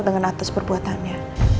dengan atas perbuatannya